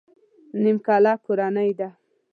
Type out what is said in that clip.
نيمکله کورنۍ ده.